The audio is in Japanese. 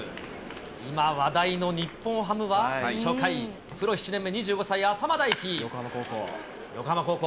今話題の日本ハムは初回、プロ７年目、２５歳、横浜高校。